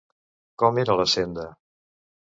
Com era la senda?